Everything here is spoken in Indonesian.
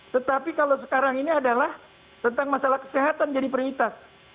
tetapi kalau sekarang ini adalah tentang masalah kesehatan jadi prioritas